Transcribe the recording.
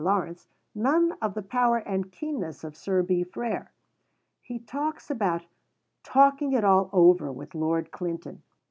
Lawrence; none of the power and keenness of Sir B. Frere. He talks about "talking it all over with Lord Clinton."